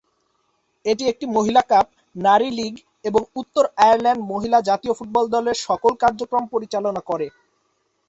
এটি একটি মহিলা কাপ, নারী লীগ এবং উত্তর আয়ারল্যান্ড মহিলা জাতীয় ফুটবল দলের সকল কার্যক্রম পরিচালনা করে।